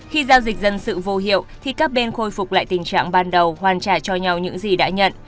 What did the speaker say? khi giao dịch dân sự vô hiệu thì các bên khôi phục lại tình trạng ban đầu hoàn trả cho nhau những gì đã nhận